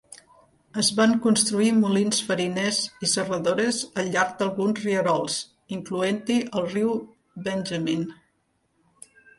Es van construir molins fariners i serradores al llarg d'alguns rierols, incloent-hi el riu Benjamin.